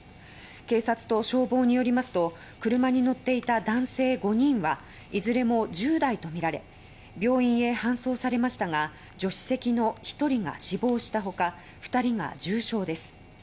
警察と消防によりますと車に乗っていた男性５人はいずれも１０代とみられ病院へ搬送されましたが助手席の１人が死亡したほか２人が重傷です。